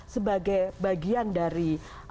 sebagai bagian dari